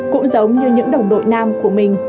cũng giống như những đồng đội nam của mình